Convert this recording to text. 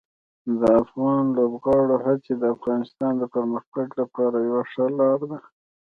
د افغان لوبغاړو هڅې د افغانستان د پرمختګ لپاره یوه ښه لار ده.